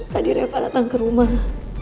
tadi reva datang ke rumah